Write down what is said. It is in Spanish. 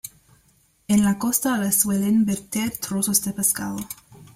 En la costa le suelen verter trozos de pescado.